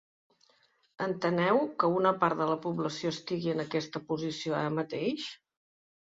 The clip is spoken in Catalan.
Enteneu que una part de la població estigui en aquesta posició ara mateix?